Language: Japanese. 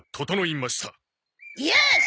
よし！